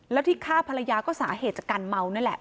แล้วที่ฆ่าภรรยาก็สาเหตุจากการเมานั่นแหละ